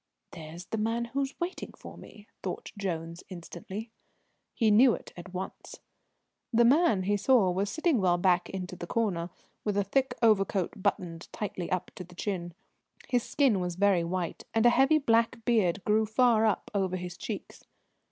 "There's the man who's waiting for me!" thought Jones instantly. He knew it at once. The man, he saw, was sitting well back into the corner, with a thick overcoat buttoned tightly up to the chin. His skin was very white, and a heavy black beard grew far up over his cheeks.